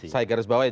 saya garis bawah ya